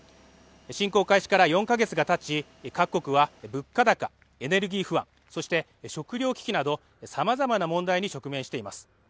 侵攻開始から４カ月がたち、各国は物価高、エネルギー不安、そして食糧危機などさまざまな問題に直面しています。